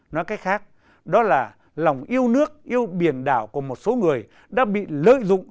nói cách khác đó là lòng yêu nước yêu biển đảo của một số người đã bị lợi dụng